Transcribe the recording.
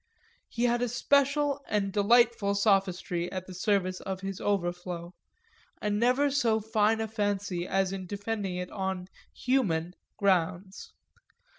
He had a special and delightful sophistry at the service of his overflow, and never so fine a fancy as in defending it on "human" grounds.